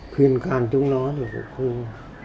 khuyên can chúng nó thì cũng không